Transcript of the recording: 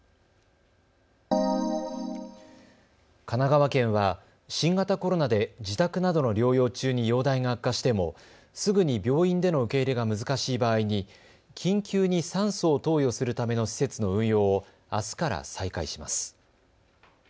神奈川県は新型コロナで自宅などの療養中に容体が悪化しても、すぐに病院での受け入れが難しい場合に緊急に酸素を投与するための施設の運用を、あすから再開します。